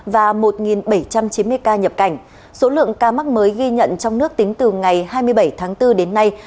và một bảy trăm chín mươi ca nhập cảnh số lượng ca mắc mới ghi nhận trong nước tính từ ngày hai mươi bảy tháng bốn đến nay